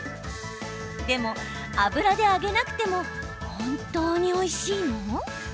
でも、油で揚げなくても本当においしいの？